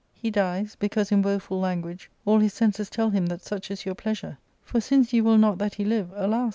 He dies, because, in woeful language, all his senses tell him that such is your pleasure ; for, since you will not that he live, alas